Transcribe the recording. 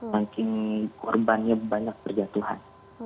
makin korbannya banyak berjatuhan